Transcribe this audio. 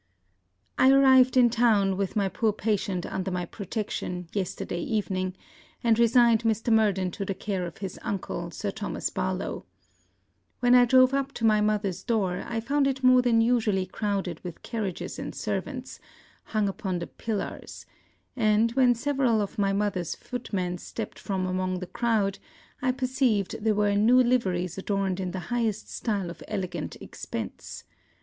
I arrived in town, with my poor patient under my protection, yesterday evening, and resigned Mr. Murden to the care of his uncle, Sir Thomas Barlowe. When I drove up to my mother's door, I found it more than usually crowded with carriages and servants; hung upon the pillars; and, when several of my mother's footmen stepped from among the crowd, I perceived they were in new liveries adorned in the highest stile of elegant expence.